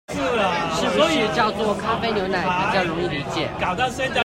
是不是叫做「咖啡牛奶」比較容易理解